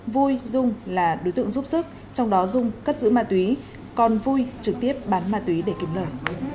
vui dung là đối tượng giúp sức trong đó dung cất giữ ma túy còn vui trực tiếp bán ma túy để kiếm lời